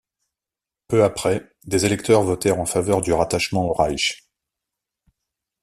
Peu après, des électeurs votèrent en faveur du rattachement au Reich.